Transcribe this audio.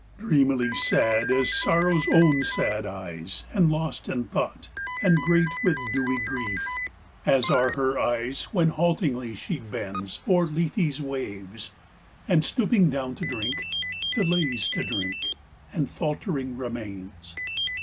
Dreamily sad as Sorrow's own sad eyes, And lost in thought, and great with dewy grief, As are her eyes when haltingly she bends O'er Lethe's waves, and, stooping down to drink, Delays to drink, and faltering remains.